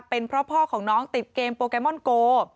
เป็นเพราะพ่อของน้องติดเกมโปเกมอนโก